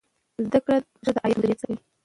زده کړه ښځه د عاید مدیریت زده کوي.